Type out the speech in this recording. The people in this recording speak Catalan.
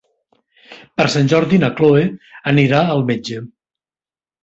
Per Sant Jordi na Cloè anirà al metge.